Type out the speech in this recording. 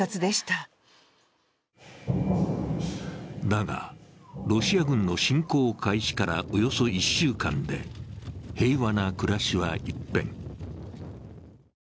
だが、ロシア軍の侵攻開始からおよそ１週間で平和な暮らしは一変。